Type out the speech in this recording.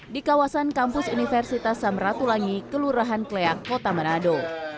di kawasan kampus universitas samratulangi kelurahan kleang kota manado